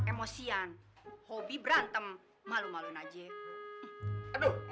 emosi yang hobi berantem malu malu najib aduh